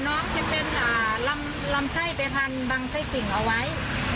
น้องจะเป็นลำไส้ไปพันบังไส้กิ่งเอาไว้